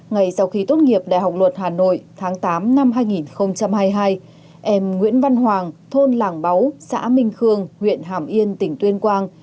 ngày sau khi tốt nghiệp đại học luật hà nội tháng tám năm hai nghìn hai mươi hai em nguyễn văn hoàng thôn làng báu xã minh khương huyện hàm yên tỉnh tuyên quang